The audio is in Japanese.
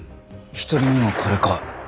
１人目がこれか。